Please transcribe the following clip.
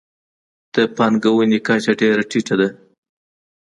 د پانګونې کچه ډېره ټیټه ده.